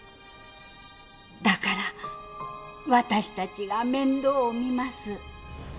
だから私たちが面倒を見ます。